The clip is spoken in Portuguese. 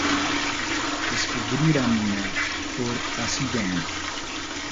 Descobriram-na por acidente.